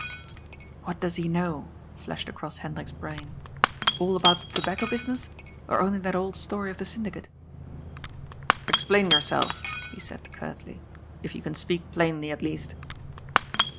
" What does he know ?" flashed across Hendrik's brain. " All about the tobacco business? Or only that old story of the syndicate ?"" Explain yourself," he said curtly. " If you can speak plainly, at least."